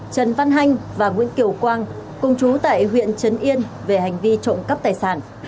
trần văn hanh và nguyễn kiều quang cùng chú tại huyện trấn yên về hành vi trộm cắp tài sản